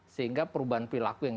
sehingga perubahan perilaku yang